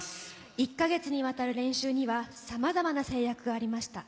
１か月に渡る練習には、さまざまな制約がありました。